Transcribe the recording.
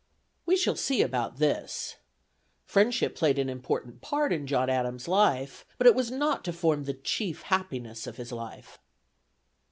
We shall see about this. Friendship played an important part in John Adams' life; but it was not to form the chief happiness of his life.